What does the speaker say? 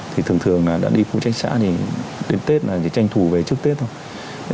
thì thường thường là đã đi phụ trách xã thì đến tết là chỉ tranh thủ về trước tết thôi